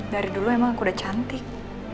dari dulu emang udah cantik